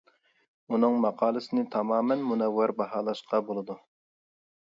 ئۇنىڭ ماقالىسىنى تامامەن مۇنەۋۋەر باھالاشقا بولىدۇ.